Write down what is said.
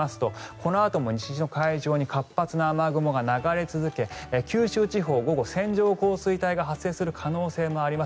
このあとも西の海上に活発な雨雲が流れ続け九州地方は午後、線状降水帯が発生する可能性があります。